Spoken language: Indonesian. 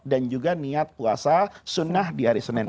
dan juga niat puasa sunnah di hari senin